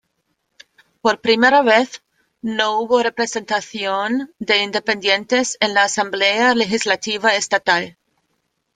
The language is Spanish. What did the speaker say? Por primera vez, no hubo representación de independientes en la Asamblea Legislativa Estatal.